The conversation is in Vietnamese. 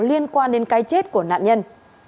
liên quan đến cái chết của nạn nhân